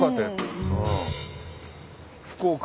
福岡。